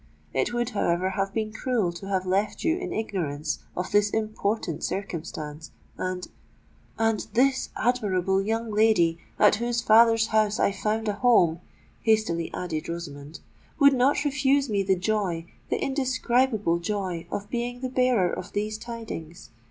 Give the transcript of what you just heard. It would, however, have been cruel to have left you in ignorance of this important circumstance; and——" "And this admirable young lady, at whose father's house I found a home," hastily added Rosamond, "would not refuse me the joy—the indescribable joy of being the bearer of these tidings.